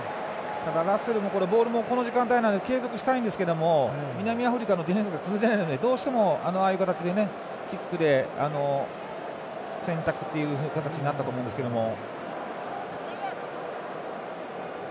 ただ、ラッセルもこの時間帯になるとボールを継続したいんですけれども南アフリカのディフェンスが崩れないので、どうしてもああいう形でキックで選択という形になったと思うんですけれども。